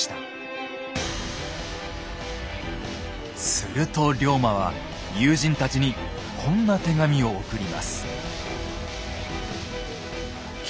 すると龍馬は友人たちにこんな手紙を送ります。